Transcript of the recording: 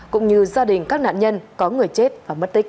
cũng như gia đình các nạn nhân có người chết và mất tích